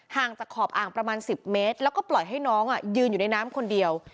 ห่างจากขอบอ่างประมาณ๑๐เมตรแล้วก็ปล่อยให้น้องยืนอยู่ในน้ำคนเดียว